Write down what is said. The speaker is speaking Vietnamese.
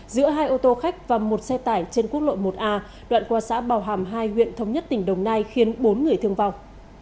giữa hai ô tô khách và một xe tải trên quốc lộ một a đoạn qua xã bào hàm hai huyện thống nhất tỉnh đồng nai khiến bốn người thương vong